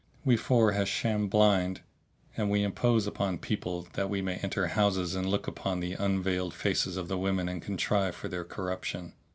We four have shammed blind, and we impose upon people that we may enter houses and look upon the unveiled faces of the women and contrive for their corruption.